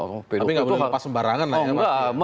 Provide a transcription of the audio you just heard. tapi enggak boleh lepas sembarangan ya mas